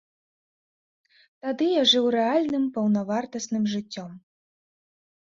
Тады я жыў рэальным, паўнавартасным жыццём.